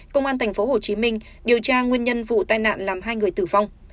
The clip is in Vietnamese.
công an tp hcm điều tra nguyên nhân vụ tai nạn làm hai người tử vong